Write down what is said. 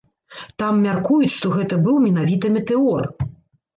Там мяркуюць, што гэта быў менавіта метэор.